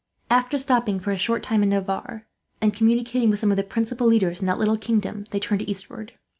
After stopping for a short time in Navarre, and communicating with some of the principal leaders in that little kingdom, they turned eastward.